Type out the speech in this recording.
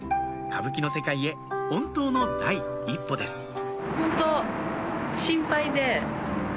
歌舞伎の世界へ本当の第一歩です